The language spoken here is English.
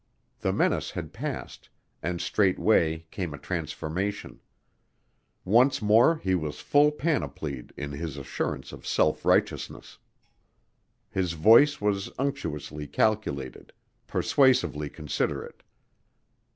The menace had passed, and straightway came a transformation. Once more he was full panoplied in his assurance of self righteousness. His voice was unctuously calculated, persuasively considerate.